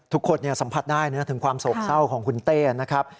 ทุกคนสัมผัสได้นะถึงความโศกเศร้าของคุณเต้นะครับ